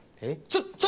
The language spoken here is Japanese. えっ？